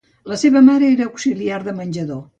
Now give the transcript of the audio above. La seva mare era auxiliar de menjador.